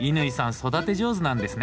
育て上手なんですね。